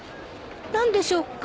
何でしょうか。